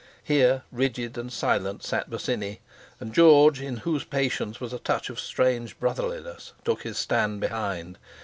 Here, rigid and silent, sat Bosinney, and George, in whose patience was a touch of strange brotherliness, took his stand behind.